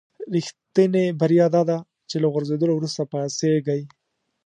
رښتینې بریا داده چې له غورځېدلو وروسته پاڅېږئ.